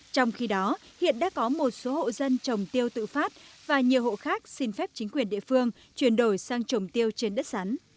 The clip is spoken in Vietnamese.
trong khi đó hiện đã có một số hộ dân trồng tiêu tự phát và nhiều hộ khác xin phép chính quyền địa phương chuyển đổi sang trồng tiêu trên đất sắn